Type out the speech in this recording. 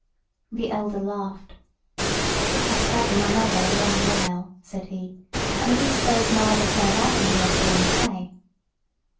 The elder laughed; "It hath had none other a long while," said he; "and at least there is no other son of Adam here to gainsay."